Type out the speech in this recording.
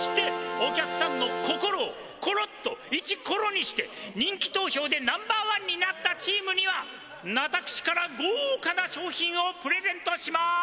お客さんのココロをコロッとイチコロにして人気投票でナンバーワンになったチームには私からごうかな賞品をプレゼントします！